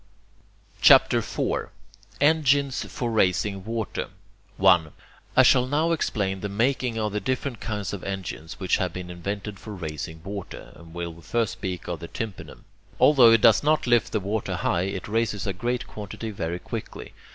CHAPTER IV ENGINES FOR RAISING WATER 1. I shall now explain the making of the different kinds of engines which have been invented for raising water, and will first speak of the tympanum. Although it does not lift the water high, it raises a great quantity very quickly.